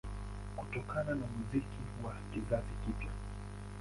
Kutokana na muziki wa kizazi kipya